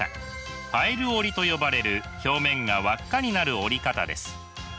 パイル織りと呼ばれる表面が輪っかになる織り方です。